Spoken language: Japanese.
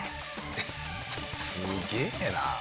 すげえな。